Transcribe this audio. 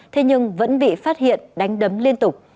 thế nhưng vẫn bị phát hiện đánh đấm liên tục